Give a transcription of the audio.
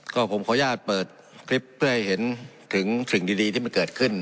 ก็ผมขออนุญาตเปิดคลิปเพื่อให้เห็นถึงสิ่งดีที่มันเกิดขึ้น